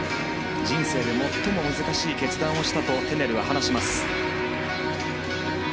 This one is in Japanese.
人生で最も難しい決断をしたと話します。